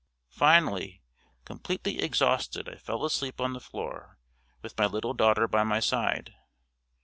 Finally, completely exhausted I fell asleep on the floor, with my little daughter by my side.